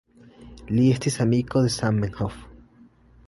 Li estis amiko de Zamenhof.